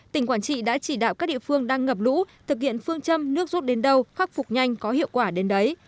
tỉnh quảng trị đã chỉ đạo các địa phương đang ngập lũ thực hiện phương châm nước rút đến đâu khắc phục nhanh có hiệu quả đến đấy